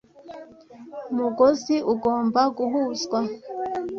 mugozi ugomba guhuzwa.